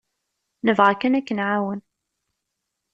Nebɣa kan ad k-nεawen.